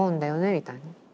みたいな。